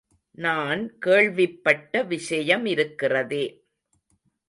நான் கேள்விப்பட்ட விஷயமிருக்கிறதே.